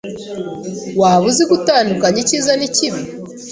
Waba uzi gutandukanya icyiza n'ikibi?